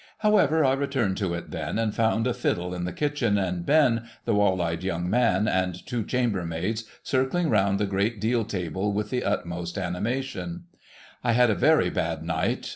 However, I returned to it then, and found a fiddle in the kitchen, and Ben, the wall eyed young man, and two. chambermaids, circling round the great deal table with the utmost animation, I had a very bad night.